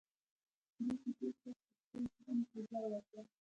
دې کيسې ته په خپل ذهن کې ځای ورکړئ.